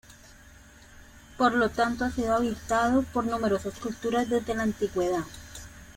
Por tanto ha sido habitado por numerosas culturas desde la antigüedad.